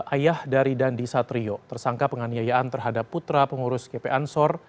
ayah dari dandi satrio tersangka penganiayaan terhadap putra pengurus gp ansor